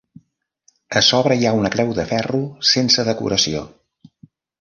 A sobre hi ha una creu de ferro sense decoració.